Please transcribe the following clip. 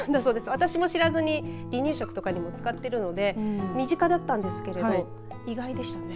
私も知らずに離乳食などに使っているので身近だったんですけど意外でしたね。